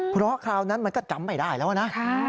เพราะคราวนั้นมันก็จำไม่ได้แล้วนะ